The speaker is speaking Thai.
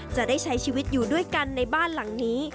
จะได้ใช้ชีวิตอยู่ด้วยกันในบ้านหลังนี้